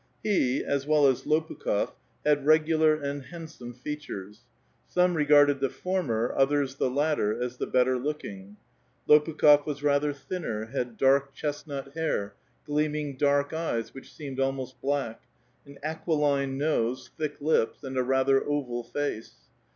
He, as well as Lopukh6f, had regular and handsome fea '^ures. Some regarded the former, others the latter, as the ^^)etter looking. Lopukh6f was rather thinner, had dark chest ^^aut hair, gleaming dark eyes, which seemed almost black, an ^EU}uiline nose, thick lips, and a rather oval face.